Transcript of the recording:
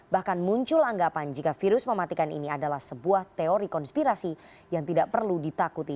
bahkan muncul anggapan jika virus mematikan ini adalah sebuah teori konspirasi yang tidak perlu ditakuti